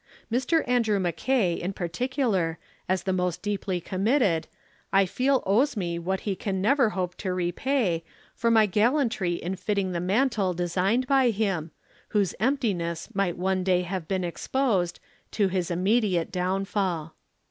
Mr. Andrew Mackay, in particular, as the most deeply committed, I feel owes me what he can never hope to repay for my gallantry in filling the mantle designed by him, whose emptiness might one day have been exposed, to his immediate downfall.